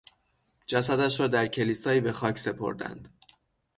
جسدش را در کلیسایی به خاک سپردند.